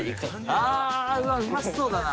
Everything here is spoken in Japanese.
あうまそうだな。